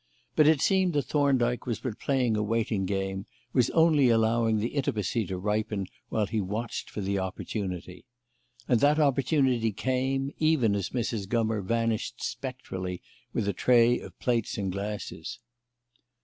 But it seemed that Thorndyke was but playing a waiting game; was only allowing the intimacy to ripen while he watched for the opportunity. And that opportunity came, even as Mrs. Gummer vanished spectrally with a tray of plates and glasses.